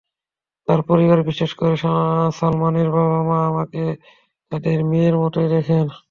তাঁর পরিবার, বিশেষ করে সালমানের বাবা-মা আমাকে তাঁদের মেয়ের মতোই দেখেন।